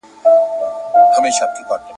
هغه تحليل چي خوند يې راکئ